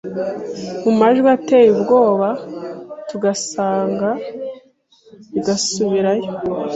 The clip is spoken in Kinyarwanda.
mu majwi ateye ubwoba tugasenga bigasubirayo.